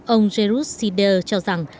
ông jairus sider cho rằng